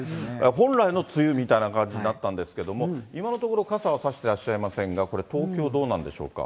本来の梅雨みたいな感じになったんですけど、今のところ、傘は差してらっしゃいませんが、これ、東京どうなんでしょうか。